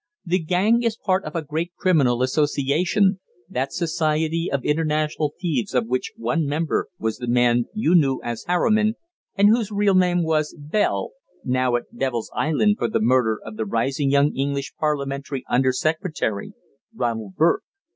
The gang is part of a great criminal association, that society of international thieves of which one member was the man you knew as Harriman, and whose real name was Bell now at Devil's Island for the murder of the rising young English parliamentary Under Secretary Ronald Burke.